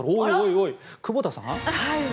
おい、久保田さん。